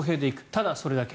ただそれだけ。